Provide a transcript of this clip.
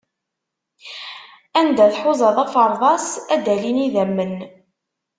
Anda tḥuzaḍ afeṛḍas, ad d-alin idammen.